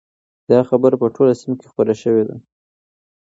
دا خبره په ټوله سیمه کې خپره شوې ده.